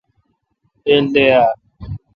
گیل دے اؘ۔